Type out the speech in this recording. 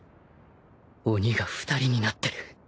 鬼が２人になってる。